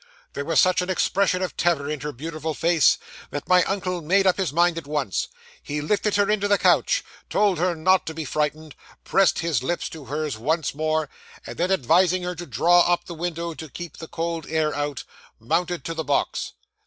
'There was such an expression of terror in her beautiful face, that my uncle made up his mind at once. He lifted her into the coach, told her not to be frightened, pressed his lips to hers once more, and then advising her to draw up the window to keep the cold air out, mounted to the box.